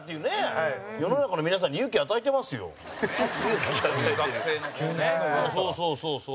山崎：そうそう、そうそう。